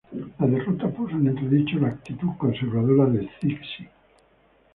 La derrota puso en entredicho la actitud conservadora de Cixi.